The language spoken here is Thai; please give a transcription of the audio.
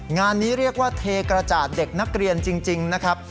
งานนี้เรียกว่าเทกระจาดเด็กนักเรียนจริงนะครับ